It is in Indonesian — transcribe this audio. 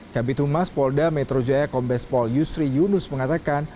kabit humas polda metro jaya kombes pol yusri yunus mengatakan